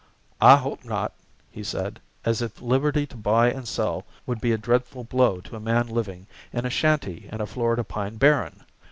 "I hope not," he said, as if liberty to buy and sell would be a dreadful blow to a man living in a shanty in a Florida pine barren!